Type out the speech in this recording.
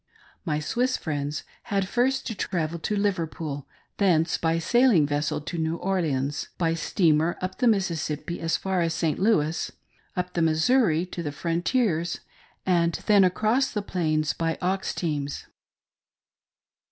My Swiss friends had first to travel to Liverpool ; thence by sail ing vessel to New Orleans ; by steamer up the Mississippi as far as St. Louis ; up the Missouri to the frontiers ; and then across the Plains by ox teams.